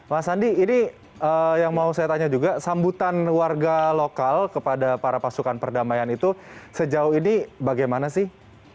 mas andi ini yang mau saya tanya juga sambutan warga lokal kepada para pasukan perdamaian itu sejauh ini bagaimana sih